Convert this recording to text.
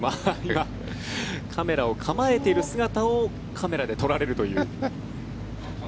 今、カメラを構えている姿をカメラで撮られるという。